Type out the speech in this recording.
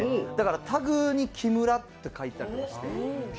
タグに「木村」って書いてあったりして。